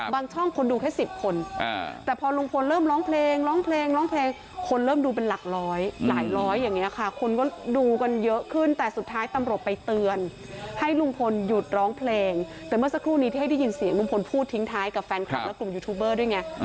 บางช่องคนดูแค่สิบคนแต่พอลุงพลเริ่มร้องเพลงร้องเพลงร้องเพลง